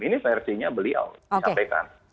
ini versinya beliau disampaikan